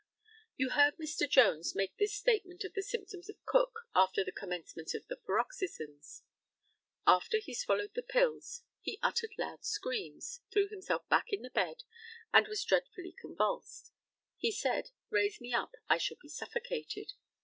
You heard Mr. Jones make this statement of the symptoms of Cook after the commencement of the paroxysms: After he swallowed the pills he uttered loud screams, threw himself back in the bed, and was dreadfully convulsed. He said, "Raise me up! I shall be suffocated."